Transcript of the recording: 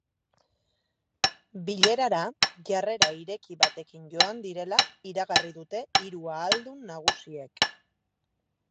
Bilerara jarrera ireki batekin joan direla iragarri dute hiru ahaldun nagusiek.